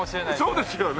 そうですよね。